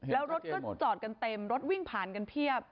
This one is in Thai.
แล้วรถก็จอดกันเต็มรถวิ่งผ่านกันเพียบ